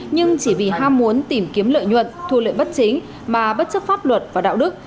nhưng chỉ vì ham muốn tìm kiếm lợi nhuận thu lợi bất chính mà bất chấp pháp luật và đạo đức